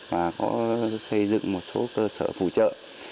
và có xây dựng một số cơ sở phụ trợ